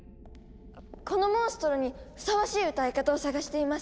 このモンストロにふさわしい歌い方を探しています。